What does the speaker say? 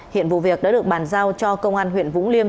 hiện vụ việc đã được bàn giao cho công an huyện vũng liêm